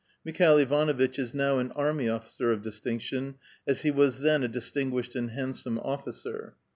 Mikhail Ivanovitch is now an army officer of distinction, as he was then a distinguished and handsome officer.